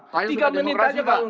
saya sudah demokrasi pak